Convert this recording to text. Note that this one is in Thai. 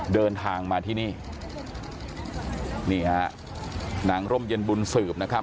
เดินทางมาที่นี่นี่ฮะนางร่มเย็นบุญสืบนะครับ